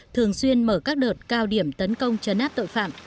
thường xuyên mở các đợt cao điểm tấn công chấn áp tội phạm